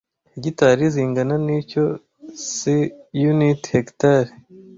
hegitari , zingana nicyo SI unit Hectare